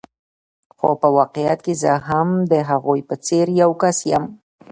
خو په واقعیت کې زه هم د هغوی په څېر یو کس یم.